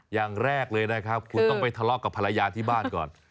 อย่างแรกเลยนะครับคุณต้องไปทะเลาะกับภรรยาที่บ้านก่อน